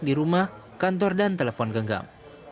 di rumah kantor dan telepon genggam